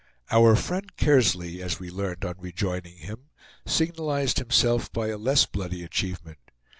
Our friend Kearsley, as we learned on rejoining him, signalized himself by a less bloody achievement.